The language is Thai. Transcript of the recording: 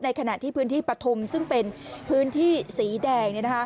ขณะที่พื้นที่ปฐุมซึ่งเป็นพื้นที่สีแดง